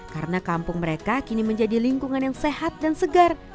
karena kampung mereka kini menjadi lingkungan yang sehat dan segar